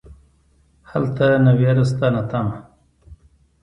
هلته نه ویره شته نه تمه.